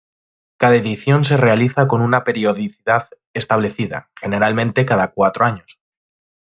Cada edición se realiza con una periodicidad establecida, generalmente cada cuatro años.